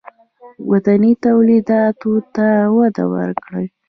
وطني تولیداتو ته وده ورکړئ